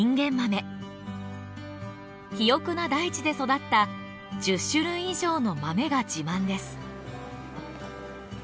肥沃な大地で育った１０種類以上の豆が自慢です。